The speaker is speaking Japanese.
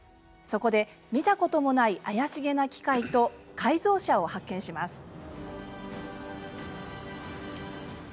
そこで、見たこともない怪しげな機械と改造車を発見します。